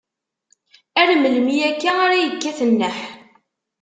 Ar melmi akka ara yekkat nneḥ?